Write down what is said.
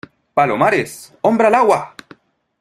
¡ palomares! ¡ hombre al agua !